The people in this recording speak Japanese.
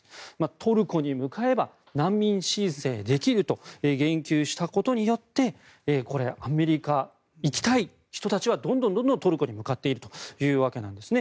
トルコに向かえば難民申請できると言及したことによってアメリカ行きたい人たちはどんどんトルコに向かっているというわけなんですね。